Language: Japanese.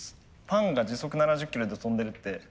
パンが時速７０キロで跳んでるって。